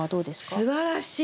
すばらしい！